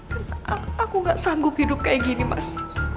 dan aku gak sanggup hidup kayak gini mas